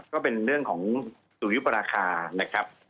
ก็เป็นเรื่องของสุริยุปราคานะครับ